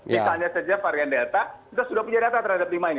misalnya saja varian delta kita sudah punya data terhadap lima ini